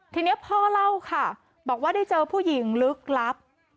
ทีนี้พ่อเล่าค่ะบอกว่าได้เจอผู้หญิงลึกลับ